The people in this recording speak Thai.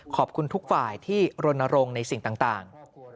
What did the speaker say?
ขอบคุณทุกฝ่ายที่รณรงค์ในสิ่งต่าง